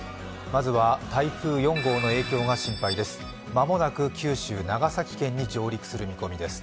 まずは台風４号の影響が心配です。